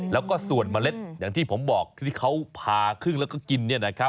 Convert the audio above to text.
แล้วก็ส่วนมะเล็ดอย่างที่ผมบอกที่เขาพาขึ้นแล้วก็กิน